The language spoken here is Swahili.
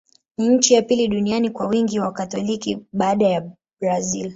Ni nchi ya pili duniani kwa wingi wa Wakatoliki, baada ya Brazil.